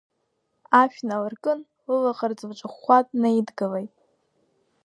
Ашә налыркын, лылаӷырӡ лҿыхәхәа днаидгылеит.